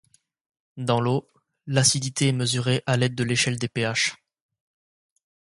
Dans l’eau, l’acidité est mesurée à l’aide de l’échelle des pH.